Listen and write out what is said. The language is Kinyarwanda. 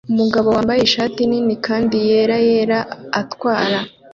Umugabo wambaye ishati nini kandi yera yera atwara